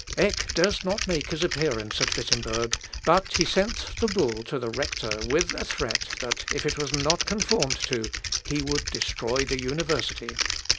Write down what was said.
Eck durst not make his appearance at Wittemberg; but he sent the bull to the rector with a threat, that if it was not conformed to, he would destroy the university.